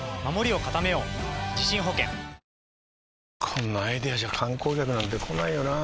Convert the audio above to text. こんなアイデアじゃ観光客なんて来ないよなあ